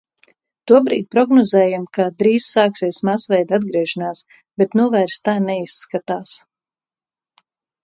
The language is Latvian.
Tobrīd prognozējām, ka drīz sāksies masveida atgriešanās, bet nu vairs tā neizskatās.